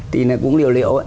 thì cũng liệu liệu